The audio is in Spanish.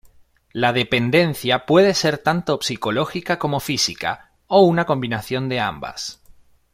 La dependencia puede ser tanto psicológica como física o una combinación de ambas.